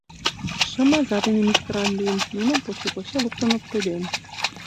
Шым аза дене мӱшкыран лийын, нуным поче-поче луктын оптеден.